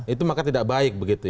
itu maka tidak baik begitu ya